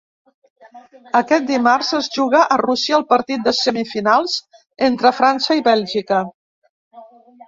Aquest dimarts es juga a Rússia el partit de semifinals entre França i Bèlgica.